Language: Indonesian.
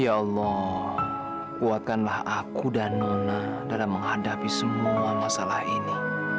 ya allah kuatkanlah aku dan nona dalam menghadapi semua masalah ini